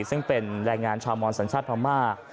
ซึ่งเป็นแรงงานชาวมอนสัญชาติพม่า